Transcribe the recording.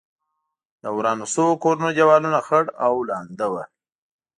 د ورانو شوو کورونو دېوالونه خړ او لوند و.